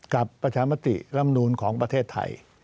ประชามติร่ำนูนของประเทศไทย